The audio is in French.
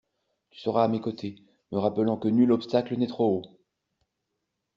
Tu seras à mes côtés, me rappelant que nul obstacle n’est trop haut.